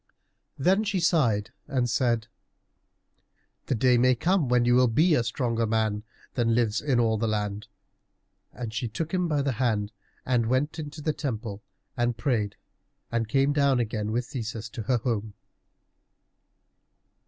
Then she sighed and said, "The day may come when you will be a stronger man than lives in all the land." And she took him by the hand and went into the temple and prayed, and came down again with Theseus to her home.